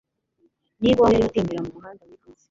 Niba Uwawe yarimo atembera mumuhanda wigunze